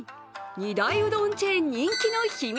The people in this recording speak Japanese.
２大うどんチェーン人気の秘密。